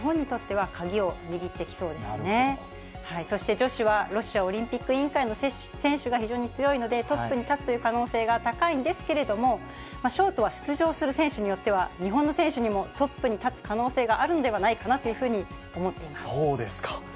そして女子はロシアオリンピック委員会の選手が非常に強いので、トップに立つ可能性が高いんですけれども、ショートは出場する選手によっては、日本の選手にもトップに立つ可能性があるんではなそうですか。